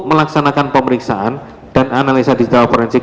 melaksanakan pemeriksaan dan analisa digital forensik